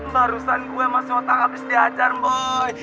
barusan gue sama siotang habis diajar mboy